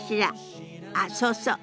あっそうそう。